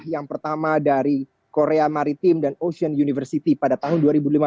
yang pertama dari korea maritim dan ocean university pada tahun dua ribu lima belas